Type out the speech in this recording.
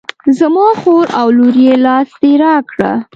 زما خور او لور یې لاس دې را کړه.